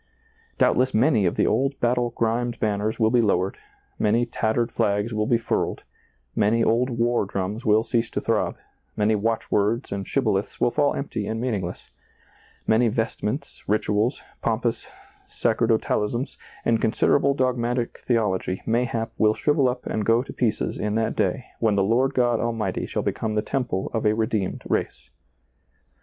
Doubtless many of the old battle grimed banners will be lowered, many tattered flags will be furled, many old war drums will cease to throb, many watch words and shibboleths will fall empty and mean ingless, many vestments, rituals, pompous sacerdo talisms, and considerable dogmatic theology, may hap, will shrivel up and go to pieces in that day when the Lord God Almighty shall become the temple of a redeemed race.